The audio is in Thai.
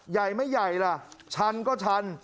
ใหญ่ไม่ใหญ่ล่ะชันก็ชัน